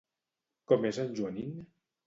Com és en Joanín?